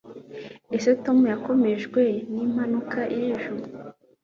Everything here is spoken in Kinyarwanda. ese tom yakomerekejwe nimpanuka ejo